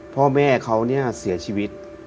พ่อแม่เขาเสียชีวิต